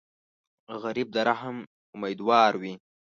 غریب د رحم امیدوار وي